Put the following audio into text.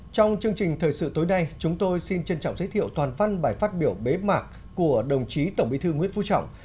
trong chương trình thời sự tối nay chúng tôi xin trân trọng giới thiệu toàn văn bài phát biểu bế mạc của đồng chí tổng bí thư nguyễn phú trọng